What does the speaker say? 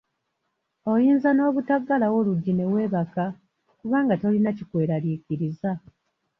Oyinza n'obutaggalawo luggi ne weebaka, kubanga tolina kikweraliikiriza